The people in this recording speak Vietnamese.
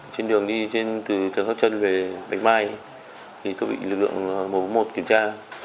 trên đường đi từ đường hấp trân về bạch mai thì tôi bị lực lượng một trăm bốn mươi một kiểm tra